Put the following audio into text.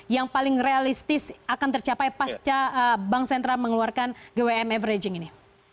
yang paling realistis akan tercapai pasca bank sentral mengeluarkan gwm averaging ini